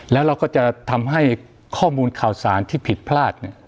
แล้วเราก็จะทำให้ข้อมูลข่าวสารที่ผิดพลาด